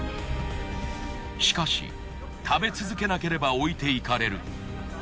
しかし食べ続けなければ置いていかれる。